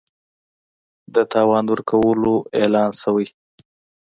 د تاوان ورکولو اعلان شوی